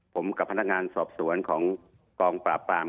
ผมกับพนักงานสอบสวนของกองปราบปราม